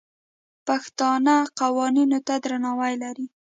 پښتانه قوانینو ته درناوی لري.